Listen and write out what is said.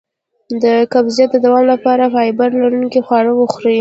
د قبضیت د دوام لپاره فایبر لرونکي خواړه وخورئ